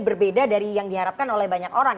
berbeda dari yang diharapkan oleh banyak orang